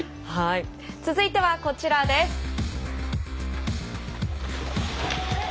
続いては、こちらです。